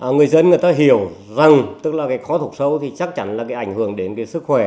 người dân người ta hiểu rằng tức là cái khó thốc sâu thì chắc chắn là cái ảnh hưởng đến cái sức khỏe